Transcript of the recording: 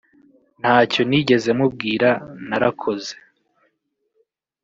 ntacyo nigeze mubwira narakoze